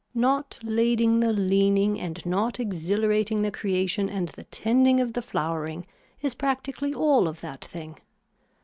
Not lading the leaning and not exhilerating the creation and the tending of the flowering is practically all of that thing.